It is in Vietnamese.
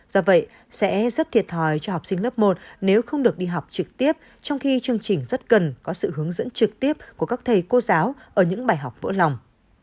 do vậy sẽ rất thiệt thòi cho học sinh lớp một nếu không được đi học trực tiếp trong khi chương trình rất cần có sự hướng dẫn trực tiếp của các thầy cô giáo ở những bài học vỡ lòng